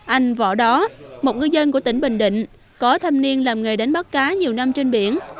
anh võ đó một ngư dân của tỉnh bình định có thâm niên làm nghề đánh bắt cá nhiều năm trên biển